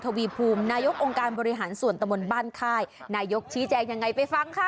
ทวีภูมิแน่ยกองการบริหารส่วนตระบลบ้านค่ายในยกติดยังไงไปฟังค่ะ